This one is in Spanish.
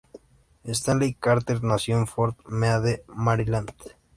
Stanley Carter nació en Fort Meade, Maryland.